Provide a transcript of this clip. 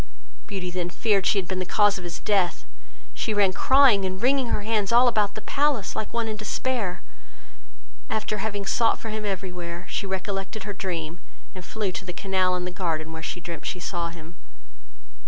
Beauty then feared she had been the cause of his death; she ran crying and wringing her hands all about the palace, like one in despair; after having sought for him every where, she recollected her dream, and flew to the canal in the garden, where she dreamed she saw him.